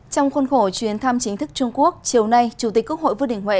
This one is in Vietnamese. trong khuôn khổ chuyến thăm chính thức trung quốc chiều nay chủ tịch quốc hội vương đình huệ